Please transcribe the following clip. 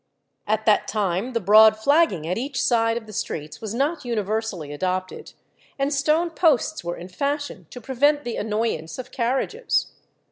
At that time the broad flagging at each side of the streets was not universally adopted, and stone posts were in fashion to prevent the annoyance of carriages.